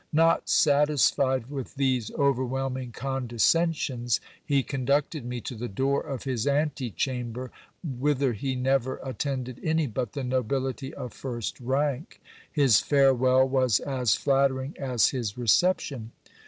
Not satisfied with these overwhelming conde scensions, he conducted me to the door of his ante chamber, whither he never attended any but the nobility of first rank. His farewell was as flattering as his reception.